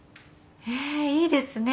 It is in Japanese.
へえいいですね。